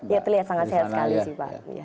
ya terlihat sangat sehat sekali sih pak